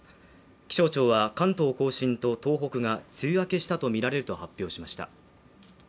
気象庁は関東甲信と東北が梅雨明けしたとみられると発表しました。